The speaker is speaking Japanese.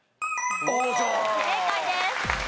正解です。